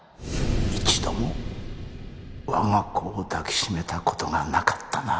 一度も我が子を抱き締めた事がなかったな。